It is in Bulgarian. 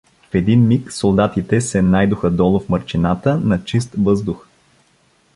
В един миг солдатите се найдоха долу в мърчината, на чист въздух.